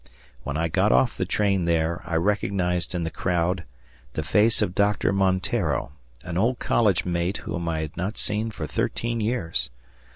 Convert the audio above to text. When I got off the train there, I recognized in the crowd the face of Doctor Monteiro, an old college mate whom I had not seen for thirteen years.